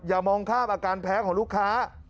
อย่ามองคาบอาการแพ้ของลูกค้า